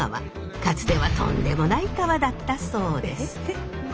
かつてはとんでもない川だったそうです。